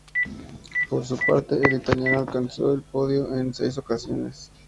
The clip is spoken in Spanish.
Por su parte, el italiano alcanzó el podio en seis ocasiones.